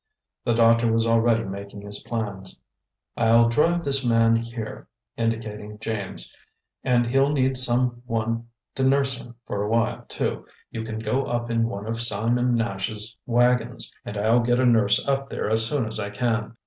The doctor was already making his plans. "I'll drive this man here," indicating James, "and he'll need some one to nurse him for a while, too. You can go up in one of Simon Nash's wagons; and I'll get a nurse up there as soon as I can."